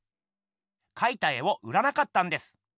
かいた絵を売らなかったんです。